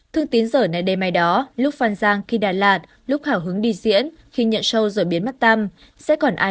thương tín giờ nay đây mai đó lúc văn giang khi đà lạt lúc hào hứng đi diễn khi nhận show rồi biến mắt tăm sẽ còn ai giúp đỡ thương tín sau này